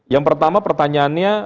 yang pertama pertanyaannya